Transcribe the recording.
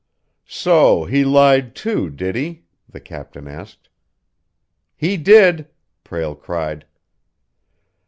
"So he lied, too, did he?" the captain asked. "He did!" Prale cried.